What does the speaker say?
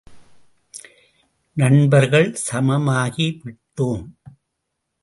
நண்பர்கள் சமமாகி விட்டோம்.